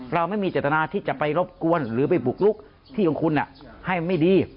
เราไม่มีเจตนาที่จะไปรบกวนหรือไปบุกลุกที่ของคุณให้ไม่ดี